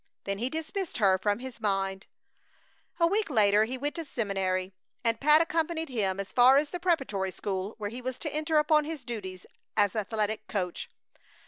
Then he dismissed her from his mind. A week later he went to the seminary, and Pat accompanied him as far as the preparatory school where he was to enter upon his duties as athletic coach.